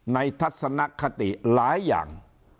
ทัศนคติหลายอย่าง